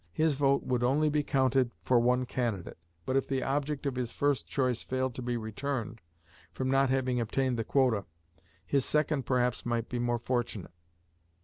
His vote would only be counted for one candidate; but if the object of his first choice failed to be returned, from not having obtained the quota, his second perhaps might be more fortunate.